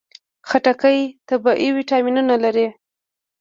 خټکی طبیعي ویټامینونه لري.